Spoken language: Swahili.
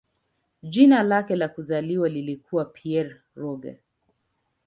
Jina lake la kuzaliwa lilikuwa "Pierre Roger".